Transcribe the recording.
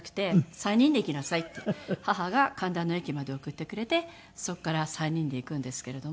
「３人で行きなさい」って母が神田の駅まで送ってくれてそこから３人で行くんですけれども。